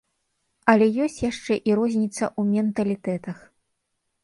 Але ёсць яшчэ і розніца ў менталітэтах.